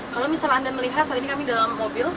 kalau misalnya anda melihat saat ini kami dalam mobil